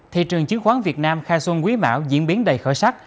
thị trường chứng khoán việt nam kha son quý mão diễn biến đầy khởi sắc